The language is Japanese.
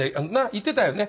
言っていたよね。